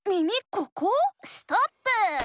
ここ⁉ストップー！